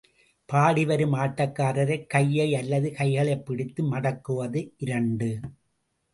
பாடி வரும் ஆட்டக்காரரைக் கையை அல்லது கைகளைப் பிடித்து மடக்குவது, இரண்டு.